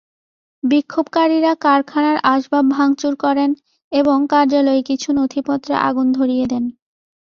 বিক্ষোভকারীরা কারখানার আসবাব ভাঙচুর করেন এবং কার্যালয়ে কিছু নথিপত্রে আগুন ধরিয়ে দেন।